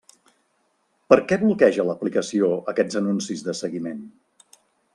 Per què bloqueja l'aplicació aquests anuncis de seguiment?